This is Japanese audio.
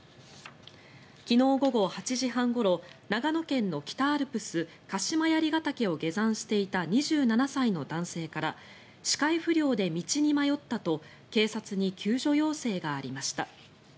昨日午後８時半ごろ長野県の北アルプス鹿島槍ケ岳を下山していた２７歳の男性から視界不良で道に迷ったと警察に救助要請がありました。